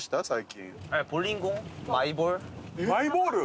マイボール？